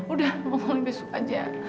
udah mama mau besok aja